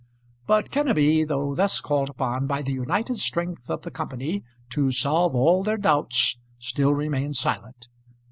But Kenneby, though thus called upon by the united strength of the company to solve all their doubts, still remained silent.